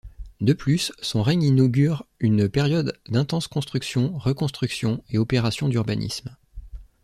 De plus, son règne inaugure une période d’intense constructions, reconstructions et opérations d’urbanisme.